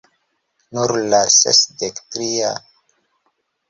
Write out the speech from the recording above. Nur la sesdek tria...